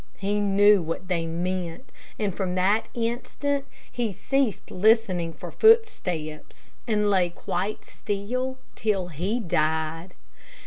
He knew what they meant, and from that instant he ceased listening for footsteps, and lay quite still till he died.